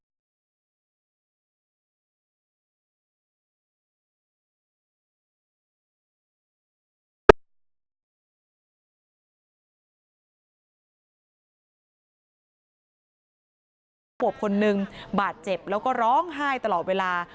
น้องสองขวบคนนึงบาดเจ็บแล้วก็ร้องไห้ตลอดเวลา